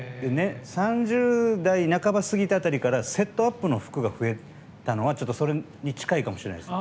３０代半ば過ぎた辺りからセットアップの服が増えたのはそれに近いかもしれないです。